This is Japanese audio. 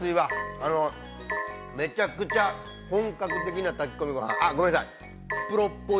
あの、めちゃくちゃ、本格的な炊き込みごはんごめんなさい。